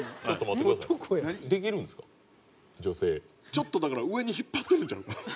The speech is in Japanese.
ちょっとだから上に引っ張ってるんちゃうか？